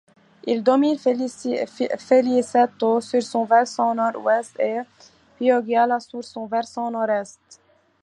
Il domine Feliceto sur son versant nord-ouest et Pioggiola sur son versant nord-est.